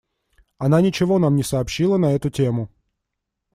Она ничего нам не сообщила на эту тему.